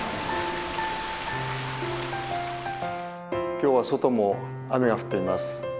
今日は外も雨が降っています。